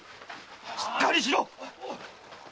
しっかりしろ！